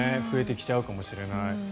増えてきちゃうかもしれない。